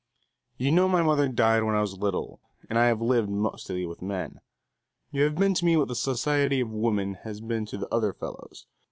You know my mother died when I was little and I have lived mostly with men. You have been to me what the society of women has been to other fellows.